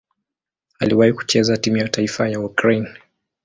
Aliwahi kucheza timu ya taifa ya Ukraine.